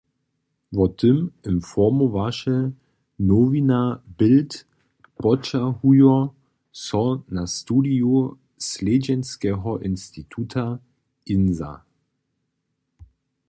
Wo tym informowaše nowina Bild poćahujo so na studiju slědźenskeho instituta Insa.